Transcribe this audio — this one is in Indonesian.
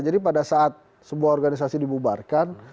jadi pada saat sebuah organisasi dibubarkan